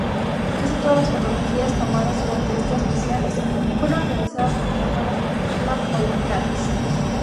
Casi todas las fotografías tomadas durante estas misiones fueron realizadas con cámaras Hasselblad modificadas.